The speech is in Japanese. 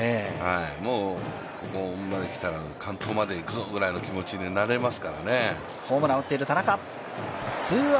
もうここまできたら完投までいくぞという気持ちになりますからね。